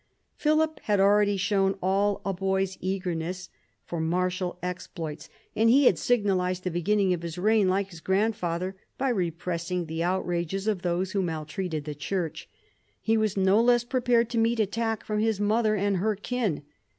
Philip had already shown all a boy's eagerness for 28 PHILIP AUGUSTUS chap. martial exploits, and he had signalised the beginning of his reign, like his grandfather, by repressing the out rages of those who maltreated the Church. He was no less prepared to meet attack from his mother and her kin.